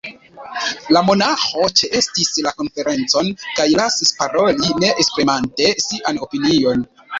La monaĥo ĉeestis la konferencon kaj lasis paroli, ne esprimante sian opinion.